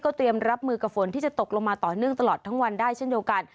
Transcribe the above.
เตรียมรับมือกับฝนที่จะตกลงมาต่อเนื่องตลอดทั้งวันได้เช่นเดียวกัน